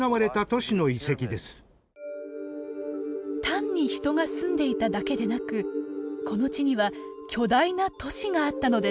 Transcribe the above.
単に人が住んでいただけでなくこの地には巨大な都市があったのです。